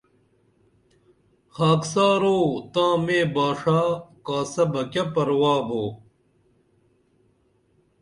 خاکسارو تاں میں باݜا کاسہ بہ کیہ پرواہ بُو